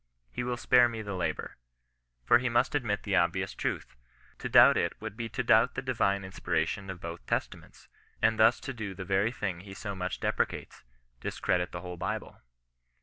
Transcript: He will spare me the labour. For he must admit the obvious truth. To doubt it would be to doubt the divine inspiration of both Testaments, and thus to do the very thing he so much deprecates — dis credit the whole Bible.